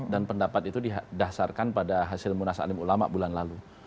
dan pendapat itu didasarkan pada hasil munasanim ulama bulan lalu